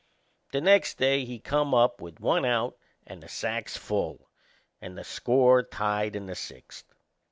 The next day he come up with one out and the sacks full, and the score tied in the sixth.